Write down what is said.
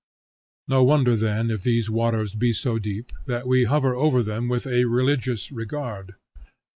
No wonder then, if these waters be so deep, that we hover over them with a religious regard.